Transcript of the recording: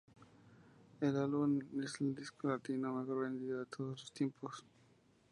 El álbum es el disco latino mejor vendido de todos los tiempos.